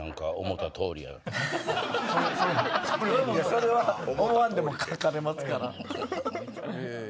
それは思わんでも書かれますから。